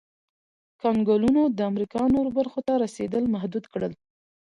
کنګلونو د امریکا نورو برخو ته رسېدل محدود کړل.